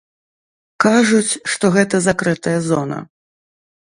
Кажуць, што гэта закрытая зона.